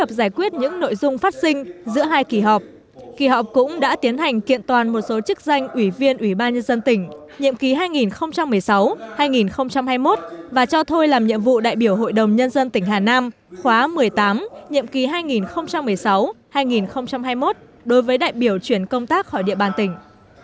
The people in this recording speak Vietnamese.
các đại biểu hội đồng nhân dân tỉnh hà nam đã tập trung xem xét thảo luận và nghị quyết về những vấn đề có tính chất cấp bách phục vụ điều hành phát triển kinh tế xã hội của tỉnh